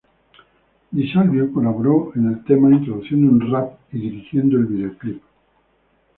Di Salvio colaboró en el tema introduciendo un rap y dirigiendo el videoclip.